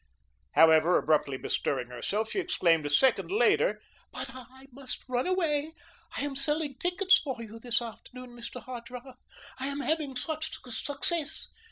However, abruptly bestirring herself, she exclaimed a second later: "But I must run away. I am selling tickets for you this afternoon, Mr. Hartrath. I am having such success.